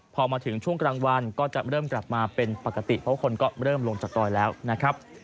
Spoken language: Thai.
พอมาถึงช่วงกลางวันก็จะเริ่มกลับมาเป็นปกติเพราะคนก็เริ่มลงจากดอยแล้วนะครับ